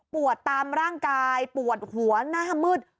ปวดตามร่างกายแม้ปวดหัวน้ามืด